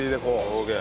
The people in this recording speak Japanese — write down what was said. オーケー。